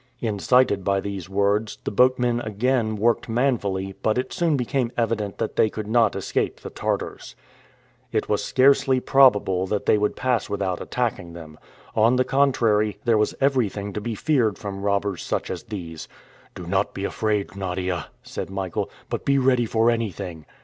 Incited by these words, the boatmen again worked manfully but it soon become evident that they could not escape the Tartars. It was scarcely probable that they would pass without attacking them. On the contrary, there was everything to be feared from robbers such as these. "Do not be afraid, Nadia," said Michael; "but be ready for anything."